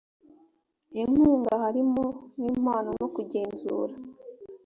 inkunga harimo n impano no kugenzura